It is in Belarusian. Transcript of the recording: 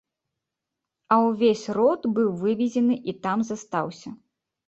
А ўвесь род быў вывезены і там застаўся.